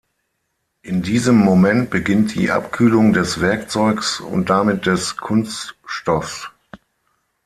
In diesem Moment beginnt die Abkühlung des Werkzeugs und damit des Kunststoffs.